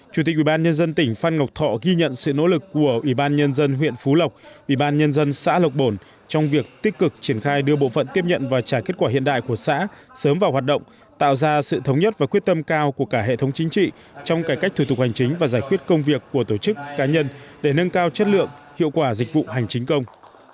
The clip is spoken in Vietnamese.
chủ tịch ủy ban nhân dân tỉnh phan ngọc thọ ghi nhận sự nỗ lực của ủy ban nhân dân huyện phú lộc ủy ban nhân dân xã lộc bồn trong việc tích cực triển khai đưa bộ phận tiếp nhận và trả kết quả hiện đại của xã sớm vào hoạt động tạo ra sự thống nhất và quyết tâm cao của cả hệ thống chính trị trong cải cách thủ tục hành chính và giải quyết công việc của tổ chức cá nhân để nâng cao chất lượng hiệu quả dịch vụ hành chính công